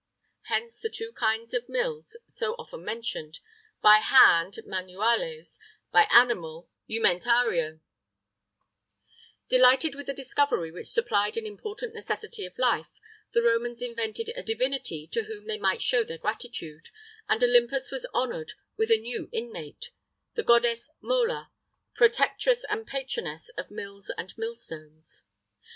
Hence the two kind of mills so often mentioned by hand, manuales; by animal, _iumentariæ_[III 20] Delighted with a discovery which supplied an important necessity of life, the Romans invented a divinity to whom they might show their gratitude, and Olympus was honoured with a new inmate: the goddess Mola, protectress and patroness of mills and millstones.